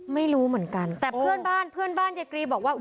ไม่รู้เหมือนกันแต่เพื่อนบ้านยายกรีบอกว่า